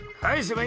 「はい」